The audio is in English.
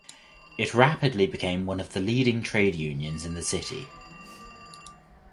It rapidly became one of the leading trade unions in the city.